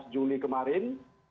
enam belas juli kemarin